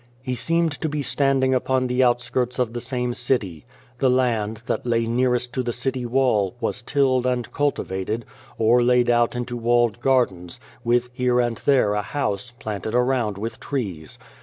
He seemed to be standing upon the outskirts of the same city. The land, that lay nearest to the city wall, was tilled and cultivated, or laid out into walled gardens, with here and there a house, planted around with trees.